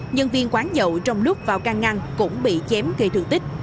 nhân viên quán dậu trong lúc vào căn ngăn cũng bị chém gây thương tích